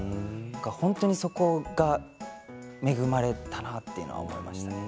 本当にそこが恵まれたなっていうのは思いました。